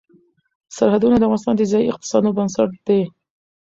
سرحدونه د افغانستان د ځایي اقتصادونو بنسټ دی.